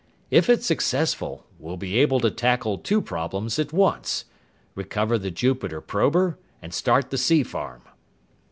If it's successful, we'll be able to tackle two problems at once recover the Jupiter prober and start the 'sea farm.'"